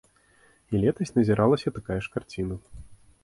І летась назіралася такая ж карціна.